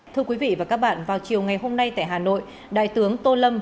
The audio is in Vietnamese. thưa quý vị và các bạn vào chiều ngày hôm nay tại hà nội đại tướng tô lâm